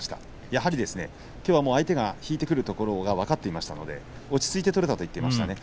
やはりきょうは相手が引いてくるところが分かっていましたので落ち着いて取れたと言っていましたね。